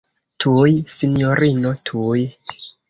Tuj, sinjorino, tuj.